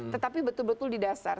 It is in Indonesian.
tetapi betul betul di dasar